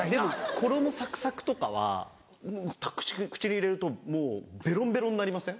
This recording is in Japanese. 衣サクサクとかは口に入れるともうベロンベロンになりません？